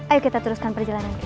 ayo kita teruskan perjalanan